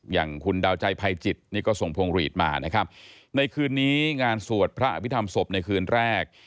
อย่างคุณดาวใจภัยจิตนี่ก็ส่งพวงหลีดมานะครับในคืนนี้งานสวดพระอภิษฐรรมศพในคืนแรก